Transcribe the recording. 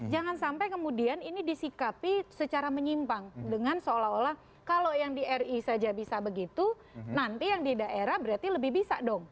jangan sampai kemudian ini disikapi secara menyimpang dengan seolah olah kalau yang di ri saja bisa begitu nanti yang di daerah berarti lebih bisa dong